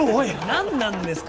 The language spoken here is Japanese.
何なんですか？